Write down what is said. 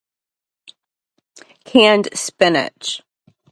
Canned spinach